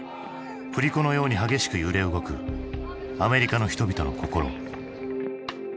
振り子のように激しく揺れ動くアメリカの人々の心。